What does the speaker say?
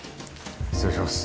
失礼します。